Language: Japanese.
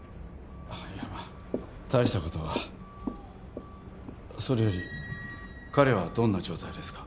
いやまあ大したことはそれより彼はどんな状態ですか？